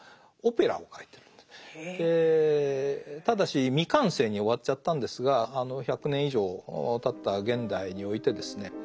ただし未完成に終わっちゃったんですが１００年以上たった現代においてですね